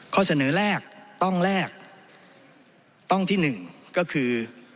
ข้อเสนอแรกต้องแลกต้องที่๑ก็คือ